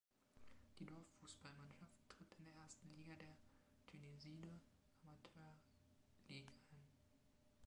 Die Dorffußballmannschaft tritt in der ersten Liga der Tyneside Amateur League an.